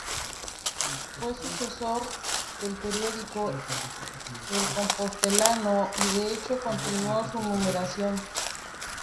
Fue sucesor del periódico "El Compostelano", y de hecho continuó su numeración.